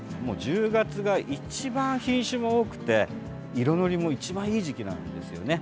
１０月が一番品種も多くて色乗りも一番いい時期なんですよね。